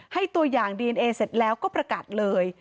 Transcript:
ตัวอย่างดีเอนเอเสร็จแล้วก็ประกาศเลย